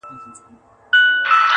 وه كلي ته زموږ راځي مـلـنگه ككـرۍ.